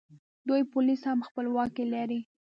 دوی پولیس هم په خپل واک کې لري